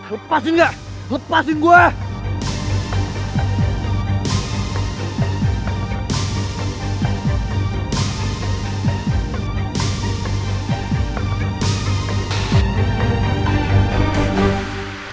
lepasin gak lepasin gue